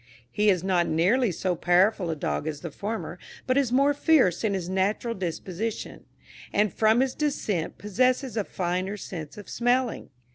He is not nearly so powerful a dog as the former, but is more fierce in his natural disposition; and from his descent possesses a finer sense of smelling.